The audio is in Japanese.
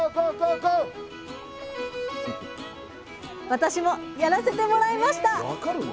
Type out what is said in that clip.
私もやらせてもらいました分かるの？